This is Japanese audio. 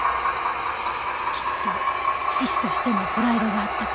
きっと医師としてのプライドがあったから。